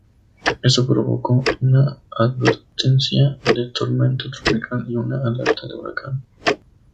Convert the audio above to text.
Esto provocó una advertencia de tormenta tropical y una alerta de huracán.